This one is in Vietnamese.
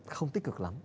không tích cực lắm